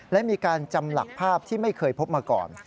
และมีการจำหลักภาพที่ไม่เคยพบมาก่อน